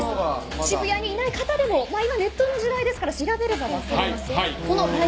渋谷にいない方でも今、ネットの時代ですから調べれば分かります。